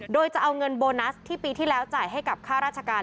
โดยจะเอาเงินโบนัสที่ปีที่แล้วจ่ายให้กับค่าราชการ